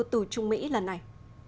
từ trung mỹ lần này